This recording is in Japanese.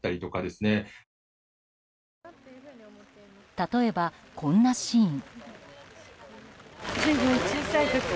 例えば、こんなシーン。